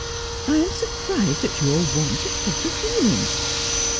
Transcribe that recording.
'I am surprised at your want of proper feeling.